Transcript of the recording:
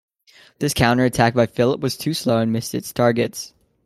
This counter attack by Philip was too slow and missed its targets.